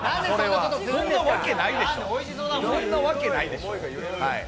そんなわけないでしょ。